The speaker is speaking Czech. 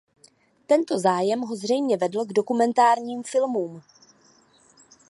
Tento zájem ho zřejmě vedl k dokumentárním filmům.